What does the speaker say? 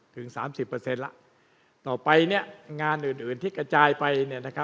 ถึง๓๐เปอร์เซ็นต์ต่อไปงานอื่นที่กระจายไป